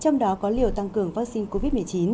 trong đó có liều tăng cường vaccine covid một mươi chín